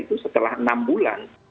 itu setelah enam bulan